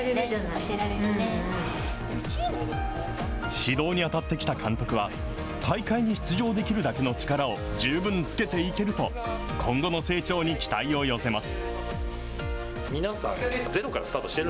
指導に当たってきた監督は、大会に出場できるだけの力を十分つけていけると、今後の成長に期待を寄せます。